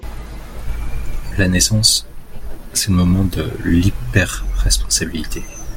La naissance, c’est le moment de l’hyper-responsabilité.